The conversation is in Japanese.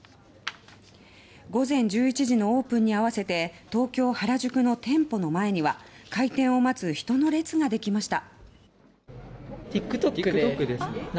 午前１１時のオープンに合わせて東京・原宿の店舗の前には開店を待つ人の列ができました。